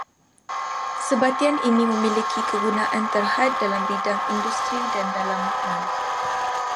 Sebatian ini memiliki kegunaan terhad dalam bidang industri dan dalam makmal